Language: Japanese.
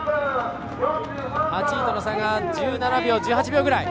８位との差が１７秒１８秒ぐらい。